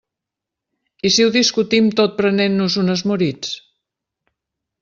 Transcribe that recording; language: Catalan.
I si ho discutim tot prenent-nos unes Moritz?